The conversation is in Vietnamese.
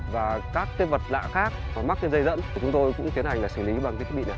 và các tiết vật lạ khác mắc trên dây dẫn thì chúng tôi cũng tiến hành xử lý bằng cái thiết bị này